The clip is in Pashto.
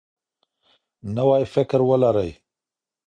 نوی فکر ولرئ.